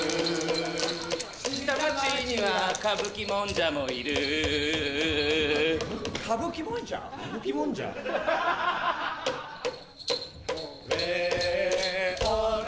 下町には歌舞伎もんじゃもいる歌舞伎もんじゃ？オーレオレ